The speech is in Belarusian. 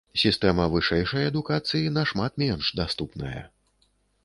Сістэма вышэйшай адукацыі нашмат менш даступная.